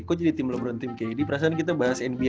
kok jadi tim lebron tim kd perasaan kita bahas nba doang tadi ya